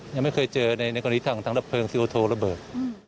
ยังไม่เคยเจอในกรณีทางดับเพลิงซิโอโทระเบิด